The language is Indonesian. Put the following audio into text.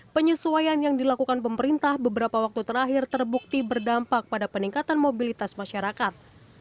penyesuaian yang dilakukan pemerintah beberapa waktu terakhir terbukti berdampak pada peningkatan mobilitas masyarakat